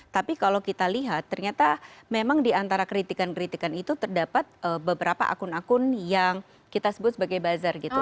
tapi kalau kita lihat ternyata memang di antara kritikan kritikan itu terdapat beberapa akun akun yang kita sebut sebagai buzzer gitu